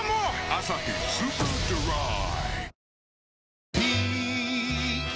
「アサヒスーパードライ」